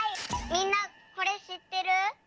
みんなこれしってる？